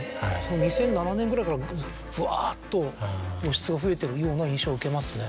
２００７年ぐらいからぶわっと露出が増えてるような印象を受けますね。